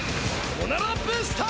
おならブースト！